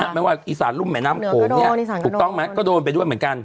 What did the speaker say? ไม่ว่าอีสานรุ่มแม่น้ำโขงเนี่ยถูกต้องไหมก็โดนไปด้วยเหมือนกัน